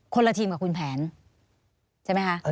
ละทีมกับคุณแผนใช่ไหมคะ